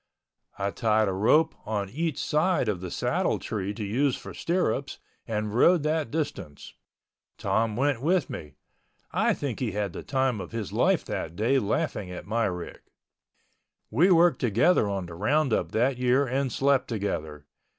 I tied a rope on each side of the saddle tree to use for stirrups and rode that distance. Tom went with me—I think he had the time of his life that day laughing at my rig. We worked together on the roundup that year and slept together.